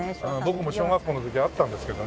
僕も小学校の時があったんですけどね。